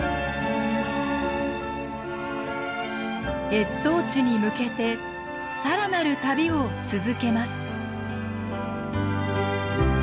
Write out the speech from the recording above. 越冬地に向けてさらなる旅を続けます。